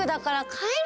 かえる？